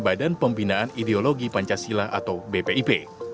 badan pembinaan ideologi pancasila atau bpip